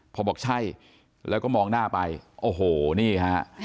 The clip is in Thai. พอบอกใช่แล้วก็มองหน้าไปโอ้โหนี่ฮะ